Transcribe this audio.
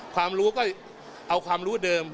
ความรู้ก็เอาความรู้เดิม